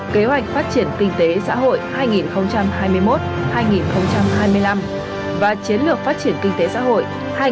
kế hoạch phát triển kinh tế xã hội hai nghìn hai mươi một hai nghìn hai mươi năm và chiến lược phát triển kinh tế xã hội hai nghìn một mươi hai hai nghìn ba mươi